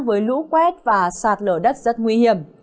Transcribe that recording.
với lũ quét và sạt lở đất rất nguy hiểm